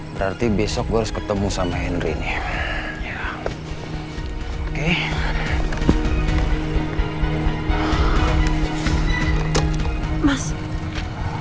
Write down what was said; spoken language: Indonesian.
berarti besok gue harus ketemu sama henry nih